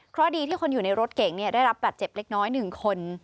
เพราะดีที่คนอยู่ในรถเก๋งเนี่ยได้รับปัดเจ็บเล็กน้อยหนึ่งคน